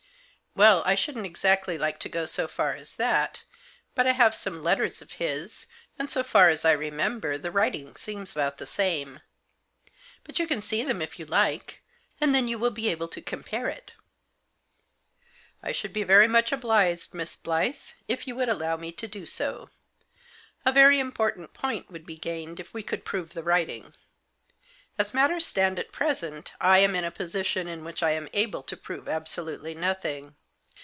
" Well, I shouldn't exactly like to go so far as that, but I have some letters of his, and, so far as I re member, the writing seems about the same. But you can see them if you like; then you will be able to compare it." " I should be very much obliged, Miss Blyth, If you would allow me to do so. A very important point would be gained if we could prove the writing. As matters stand at present I am in a position in which I am able to prove absolutely nothing.